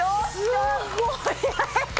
すごいえ！